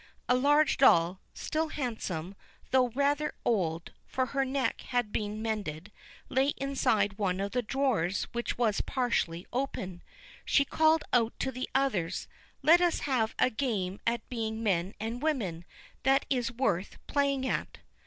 A large doll, still handsome, though rather old, for her neck had been mended, lay inside one of the drawers which was partly open. She called out to the others: "Let us have a game at being men and women; that is worth playing at."